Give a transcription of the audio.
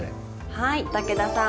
はい武田さん。